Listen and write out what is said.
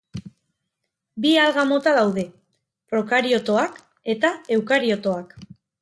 Bi alga mota daude: prokariotoak eta eukariotoak